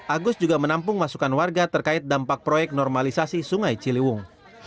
agus juga menampung masukan warga terkait dampak proyek normalisasi sungai ciliwung